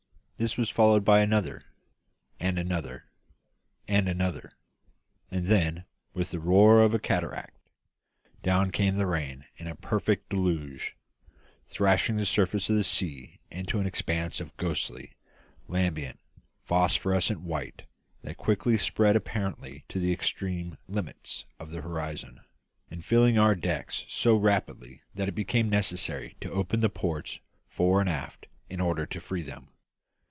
This was followed by another, and another, and another; and then, with the roar of a cataract, down came the rain in a perfect deluge, thrashing the surface of the sea into an expanse of ghostly, lambent, phosphorescent white that quickly spread apparently to the extreme limits of the horizon, and filling our decks so rapidly that it became necessary to open the ports fore and aft in order to free them.